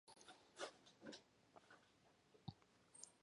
The hall measures in length; in width and in height.